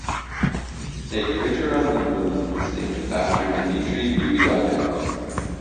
A crater on the Moon is named after Dmitry Dubyago.